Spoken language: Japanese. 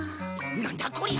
なんだ？こりゃ。